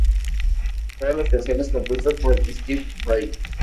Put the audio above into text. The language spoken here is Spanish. Todas las canciones compuestas por Steve Vai.